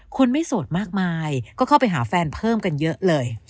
คนไม่โสดมากมายก็เข้าไปหาแฟนเพิ่มกันเยอะเลย